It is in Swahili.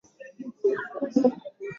yam ya yako dhiki ya bwana julian